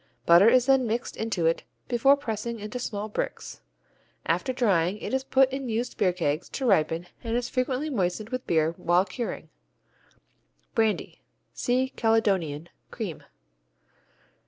Butter is then mixed into it before pressing into small bricks. After drying it is put in used beer kegs to ripen and is frequently moistened with beer while curing. Brandy see Caledonian, Cream.